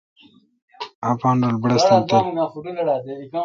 اپان رل بّڑّستن تھل۔